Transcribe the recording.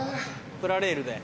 プラレールで。